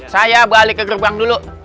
saya balik ke gerbang dulu